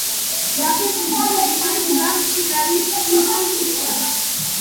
ნახეს უცხო ვინმე ჯდა მტირალი წყლისა პირსა